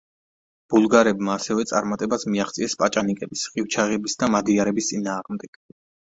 ბულგარებმა ასევე წარმატებას მიაღწიეს პაჭანიკების, ყივჩაღების და მადიარების წინააღმდეგ.